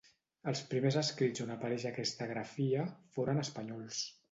Els primers escrits on apareix aquesta grafia foren espanyols.